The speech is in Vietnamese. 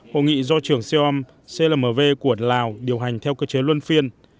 hội nghị do trưởng xeom clmv của lào điều hành theo cơ chế luân phiên